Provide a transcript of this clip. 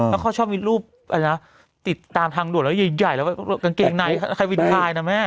แล้วเขาชอบวิดรูปติดตามทางด่วนแล้วใหญ่แล้วกางเกงในใครวินพายนะแม่